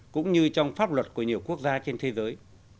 cũng như trong pháp luật của nhiều quốc gia trên thế giới